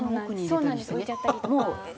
そうなんです。